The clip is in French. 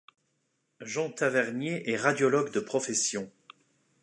Jean Tavernier est radiologue de profession.